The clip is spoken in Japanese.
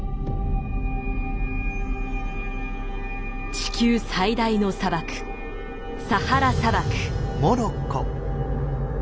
地球最大の砂漠サハラ砂漠。